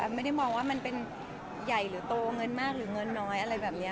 ไม่ได้มองว่ามันเป็นใหญ่หรือโตเงินมากหรือเงินน้อยอะไรแบบนี้